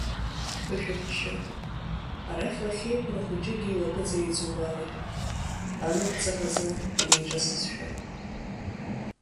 Дԥышәырччоит, арахь лахьеиқәыра хәыҷыкгьы илакыҵа иҵубаауеит, анаҟә ҵаӷаӡа инеиҿысызшәа.